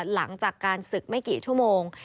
หลังจากการศึกไม่กี่ชั่วโมง